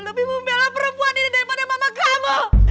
lebih membela perempuan ini daripada mama kamu